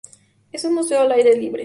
Es un museo al aire libre.